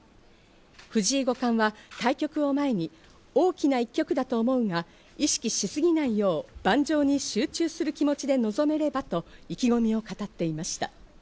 藤井五冠は対局を前に大きな１局だと思うが、意識しすぎないよう盤上に集中する気持ちで臨めればと意気込みを語っていました。